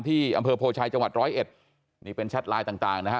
ที่อำเภอโพชัยจังหวัด๑๐๑นี่เป็นแชทไลน์ต่างนะฮะ